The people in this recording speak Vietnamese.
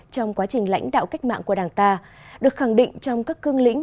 trong quá trình lãnh đạo cách mạng của đảng ta được khẳng định trong các cương lĩnh